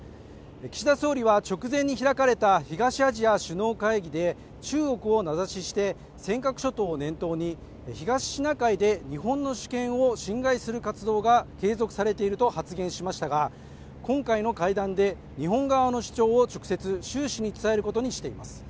岸田総理は直前に開かれた東アジア首脳会議で中国を名指しして尖閣諸島を念頭に東シナ海で日本の主権を侵害する活動が継続されていると発言しましたが今回の会談で日本側の主張を直接習主席に伝えることにしています